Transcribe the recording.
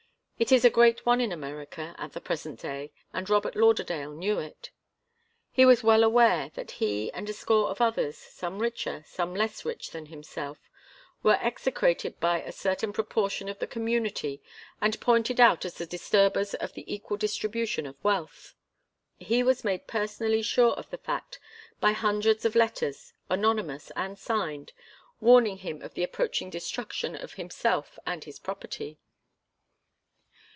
It is a great one in America, at the present day, and Robert Lauderdale knew it. He was well aware that he and a score of others, some richer, some less rich than himself, were execrated by a certain proportion of the community and pointed out as the disturbers of the equal distribution of wealth. He was made personally sure of the fact by hundreds of letters, anonymous and signed, warning him of the approaching destruction of himself and his property.